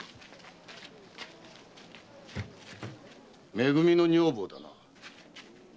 め組の女房だな？